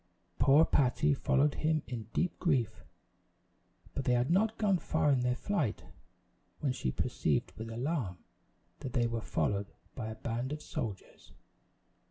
Poor Patty followed him in deep grief; but they had not gone far in their flight, when she perceived with alarm, that they were followed by a band of soldiers.